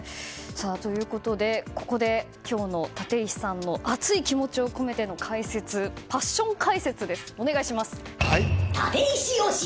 ここで今日の立石さんの熱い気持ちを込めての解説パッション解説、お願いします。